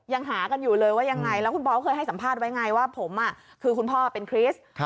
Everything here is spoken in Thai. ยังหากันอยู่เลยว่ายังไงแล้วคุณบอสเคยให้สัมภาษณ์ไว้ไงว่าผมคือคุณพ่อเป็นคริสต์